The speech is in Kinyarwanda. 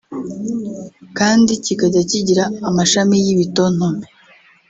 kandi kikajya kigira amashami y'ibitontome